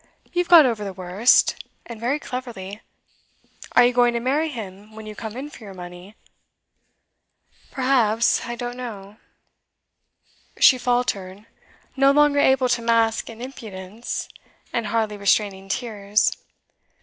'You've got over the worst, and very cleverly. Are you going to marry him when you come in for your money?' 'Perhaps I don't know ' She faltered, no longer able to mask in impudence, and hardly restraining tears.